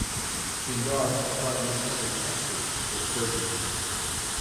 In dogs, the prognosis is excellent with surgery.